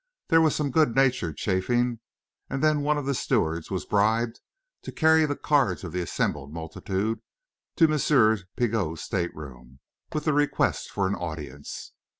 There was some good natured chaffing, and then one of the stewards was bribed to carry the cards of the assembled multitude to M. Pigot's stateroom, with the request for an audience.